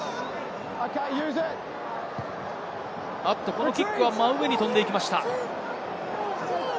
このキックは真上に飛んでいきました。